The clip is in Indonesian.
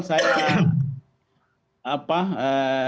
saya mendengar bahwa